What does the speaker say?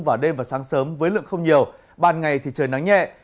vào đêm và sáng sớm với lượng không nhiều ban ngày thì trời nắng nhẹ